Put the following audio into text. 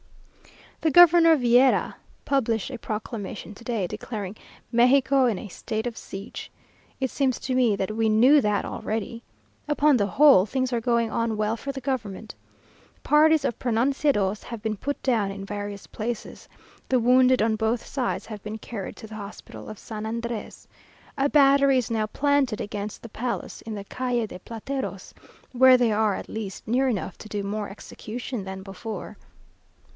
The Governor Vieyra published a proclamation to day, declaring "Mexico in a state of siege." It seems to me that we knew that already! Upon the whole, things are going on well for the government. Parties of pronunciados have been put down in various places. The wounded on both sides have been carried to the hospital of San Andrés. A battery is now planted against the palace, in the Calle de Plateros, where they are at least near enough to do more execution than before.